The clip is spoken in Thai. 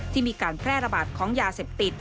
ที่มีการแพร่ระบาดของยาเสพติด